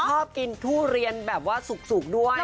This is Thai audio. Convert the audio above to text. ชอบกินทุเรียนแบบว่าสุกด้วย